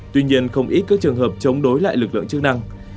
tuy nhiên không ít các trường hợp chống đối lại lực lượng chức năng